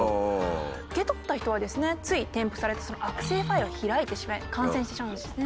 受け取った人はつい添付されたその悪性ファイルを開いてしまい感染してしまうんですよね。